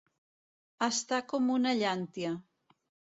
Estar com una llàntia.